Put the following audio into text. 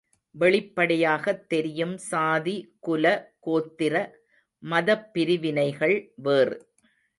வெளிப்படையாகத் தெரியும் சாதி, குல, கோத்திர மதப்பிரிவினைகள் வேறு.